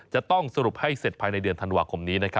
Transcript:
จะต้องสรุปให้เสร็จภายในเดือนธันวาคมนี้